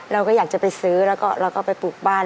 เราก็อยากจะไปซื้อแล้วก็เราก็ไปปลูกบ้าน